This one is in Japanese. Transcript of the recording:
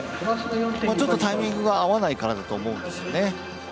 ちょっとタイミングが合わないからだと思うんですね。